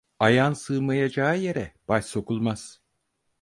Ayağın sığmayacağı yere baş sokulmaz.